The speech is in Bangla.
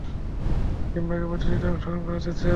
সিম্বাকে প্রতিযোগিতায় অংশগ্রহণ করাতে চাই।